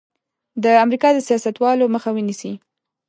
د امریکا د سیاستوالو مخه ونیسي.